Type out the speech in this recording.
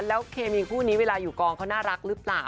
แล้วเคมีคู่นี้เวลาอยู่กองเขาน่ารักหรือเปล่า